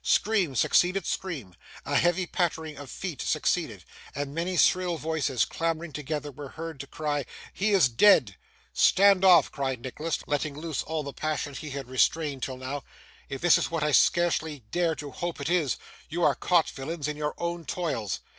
Scream succeeded scream; a heavy pattering of feet succeeded; and many shrill voices clamouring together were heard to cry, 'He is dead!' 'Stand off!' cried Nicholas, letting loose all the passion he had restrained till now; 'if this is what I scarcely dare to hope it is, you are caught, villains, in your own toils.